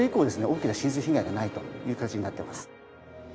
大きな浸水被害がないという形になってます。